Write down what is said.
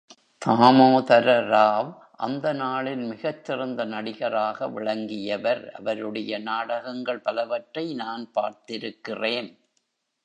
தாமோதரராவ் அந்தநாளில் மிகச் சிறந்தநடிகராக விளங்கியவர், அவருடைய நாடகங்கள் பலவற்றை நான் பார்த்திருக்கிறேன்.